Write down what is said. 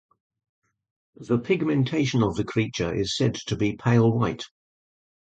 The pigmentation of the creature is said to be pale white.